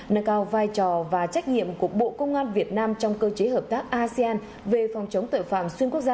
nâng cao vai trò và trách nhiệm của bộ công an việt nam trong cơ chế hợp tác asean về phòng chống tội phạm xuyên quốc gia